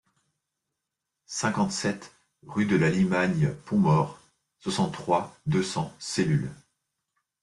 cinquante-sept rue de la Limagne Pontmort, soixante-trois, deux cents, Cellule